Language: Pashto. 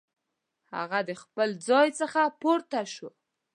هغه د خپل ځای څخه پورته شو.